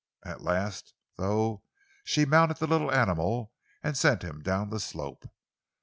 At last, though, she mounted the little animal and sent him down the slope.